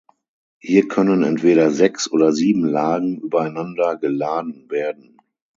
Hier können entweder sechs oder sieben Lagen übereinander geladen werden.